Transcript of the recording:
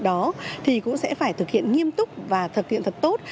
đó thì cũng sẽ phải thực hiện nghiêm túc và thực hiện thật tốt